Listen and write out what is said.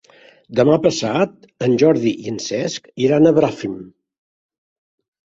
Demà passat en Jordi i en Cesc iran a Bràfim.